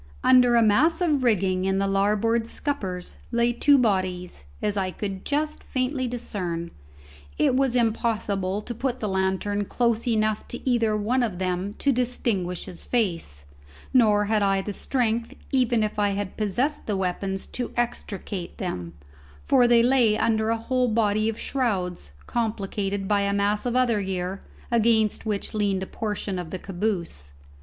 Under a mass of rigging in the larboard scuppers lay two bodies, as I could just faintly discern; it was impossible to put the lantern close enough to either one of them to distinguish his face, nor had I the strength even if I had possessed the weapons to extricate them, for they lay under a whole body of shrouds, complicated by a mass of other gear, against which leaned a portion of the caboose.